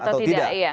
benar atau tidak iya